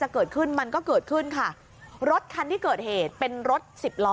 เกิดขึ้นมันก็เกิดขึ้นค่ะรถคันที่เกิดเหตุเป็นรถสิบล้อ